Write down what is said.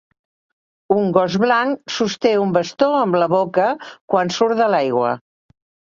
Un gos blanc sosté un bastó amb la boca quan surt de l'aigua.